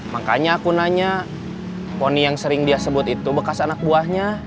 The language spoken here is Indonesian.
makanya aku nanya poni yang sering dia sebut itu bekas anak buahnya